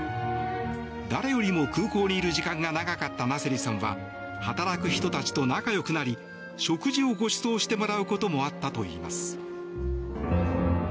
誰よりも、空港にいる時間が長かったナセリさんは働く人たちと仲良くなり食事をごちそうしてもらうこともあったといいます。